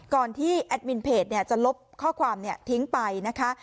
ที่แอดมินเพจจะลบข้อความทิ้งไปนะคะ